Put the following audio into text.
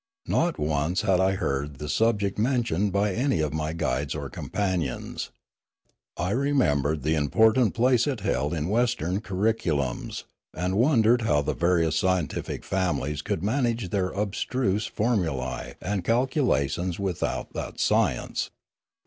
Not once had I heard the subject mentioned by any of my guides or companions. I remembered the important place it held in Western curriculums, and wondered how the various scientific families could manage their abstruse formulae and calculations without that science.